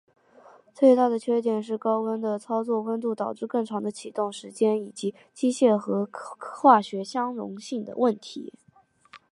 最大的缺点是高温的操作温度导致更长的启动时间以及机械和化学相容性的问题。